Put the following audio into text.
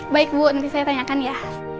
baik bu nanti saya tanyakan ya